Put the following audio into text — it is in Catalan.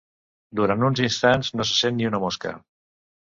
Durant uns instants no se sent ni una mosca.